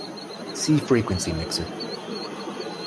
See Frequency mixer.